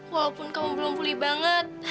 walaupun kamu belum pulih banget